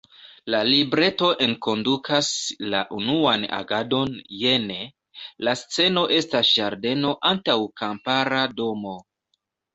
La libreto enkondukas la "unuan agadon" jene: „La sceno estas ĝardeno antaŭ kampara domo.